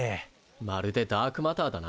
まるでダークマターだな。